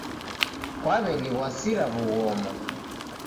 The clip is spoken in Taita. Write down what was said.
Kwaw'eniw'asira w'ughoma